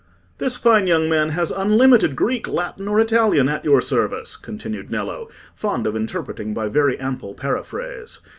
"This fine young man has unlimited Greek, Latin, or Italian at your service," continued Nello, fond of interpreting by very ample paraphrase.